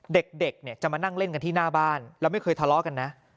เด็กเนี่ยจะมานั่งเล่นกันที่หน้าบ้านแล้วไม่เคยทะเลาะกันนะ